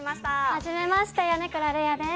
はじめまして、米倉れいあです